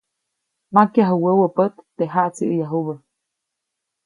Makyaju wäwä pät, teʼ jaʼtsiʼäyajubä.